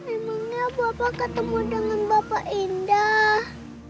memangnya bapak ketemu dengan bapak indah